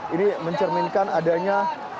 ini mencerminkan adanya